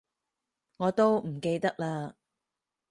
我都唔記得喇